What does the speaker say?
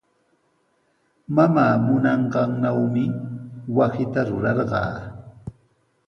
Mamaa munanqannawmi wasita rurayarqaa.